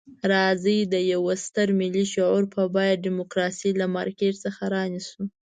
راځئ د یوه ستر ملي شعور په بیه ډیموکراسي له مارکېټ څخه رانیسو.